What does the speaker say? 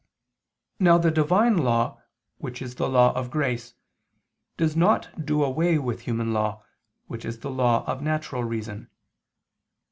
Now the Divine law which is the law of grace, does not do away with human law which is the law of natural reason.